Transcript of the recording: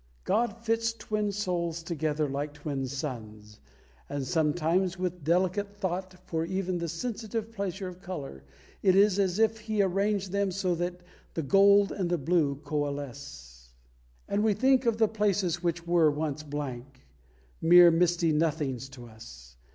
God fits twin souls together like twin suns; and sometimes, with delicate thought for even the sensitive pleasure of colour, it is as if He arranged them so that the gold and the blue coalesce. And we think of the places which were once blank, mere misty nothings to us.